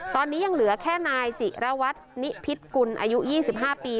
ตอนนี้ยังเหลือแค่นายจิระวัตนิพิษกุลอายุ๒๕ปี